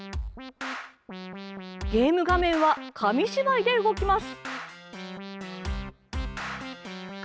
ゲーム画面は、紙芝居で動きます。